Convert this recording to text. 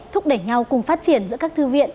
thúc đẩy nhau cùng phát triển giữa các thư viện